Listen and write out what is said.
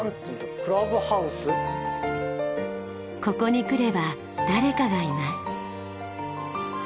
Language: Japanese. ここに来れば誰かがいます。